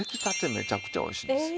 めちゃくちゃおいしいんですよ。